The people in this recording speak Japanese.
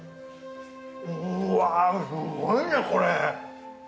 うわ、すごいね、これ。